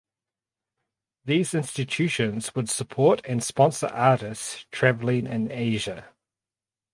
These institutions would support and sponsor artists travelling in Asia.